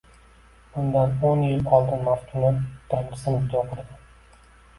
Bundan o`n yil oldin Maftuna birinchi sinfda o`qirdi